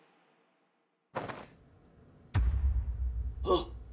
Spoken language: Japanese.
あっ！